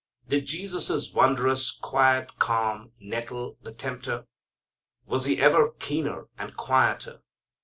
Did Jesus' wondrous, quiet calm nettle the tempter? Was He ever keener and quieter?